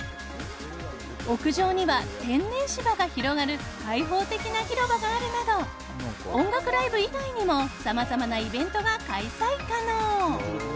屋上には天然芝が広がる開放的な広場があるなど音楽ライブ以外にもさまざまなイベントが開催可能。